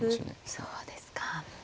そうですか。